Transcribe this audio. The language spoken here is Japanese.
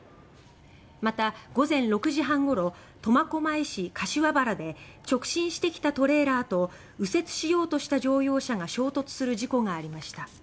また、午前６時半ごろ苫小牧市柏原で直進してきたトレーラーと右折してきた乗用車が衝突する事故がありました。